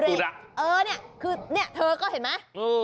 นี่นะเออเนี่ยคือเนี่ยเธอก็เห็นไหม